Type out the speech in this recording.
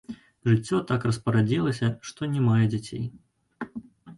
Жыццё так распарадзілася, што не мае дзяцей.